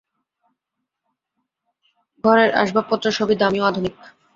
ঘরের আসবাবপত্র সবই দামী ও আধুনিক।